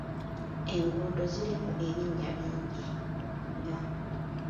Enguudo zirumu ebinnya bingi nnyo.